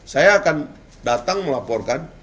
saya akan datang melaporkan